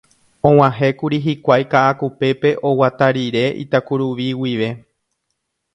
Og̃uahẽkuri hikuái Ka'akupépe oguata rire Itakuruvi guive